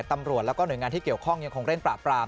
ตำรวจและหน่วยงานที่เกี่ยวข้องฯยังคงเล่นปรากฎ